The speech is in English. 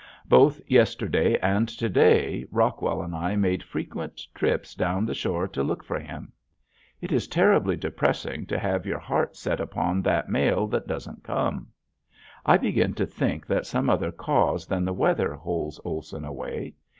Both yesterday and to day Rockwell and I made frequent trips down the shore to look for him. It is terribly depressing to have your heart set upon that mail that doesn't come. I begin to think that some other cause than the weather holds Olson away.